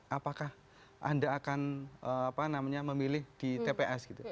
apakah anda akan memilih di tps gitu